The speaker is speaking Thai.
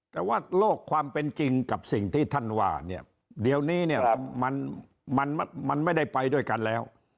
แต่ว่าโลกความเป็นจริงกับสิ่งที่ท่านว่าเนี่ยเดี๋ยวนี้เนี่ยมันไม่ได้ไปด้วยกันแล้ว